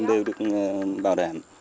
đều được bảo đảm